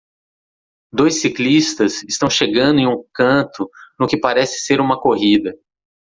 Dois ciclistas estão chegando em um canto no que parece ser uma corrida.